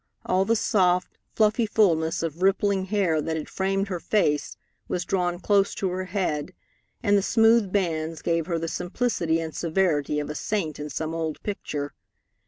All the soft, fluffy fulness of rippling hair that had framed her face was drawn close to her head, and the smooth bands gave her the simplicity and severity of a saint in some old picture.